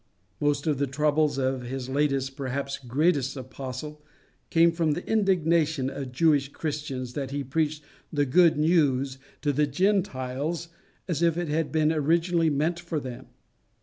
Most of the troubles of his latest, perhaps greatest apostle, came from the indignation of Jewish Christians that he preached the good news to the Gentiles as if it had been originally meant for them.